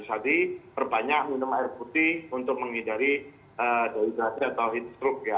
jadi berbanyak minum air putih untuk menghindari dehydrati atau heat stroke ya